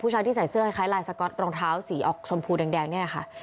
ชายที่ใส่เสื้อคล้ายลายสก๊อตรองเท้าสีออกชมพูแดงนี่แหละค่ะ